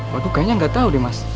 waduh kayaknya gak tau deh mas